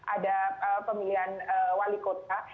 ada pemilihan wali kota